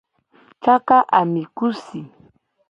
Caka ami ku si.